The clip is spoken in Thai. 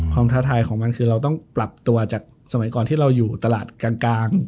ท้าทายของมันคือเราต้องปรับตัวจากสมัยก่อนที่เราอยู่ตลาดกลาง